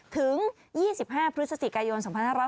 ถึง๒๕พฤศจิกายน๒๕๖๐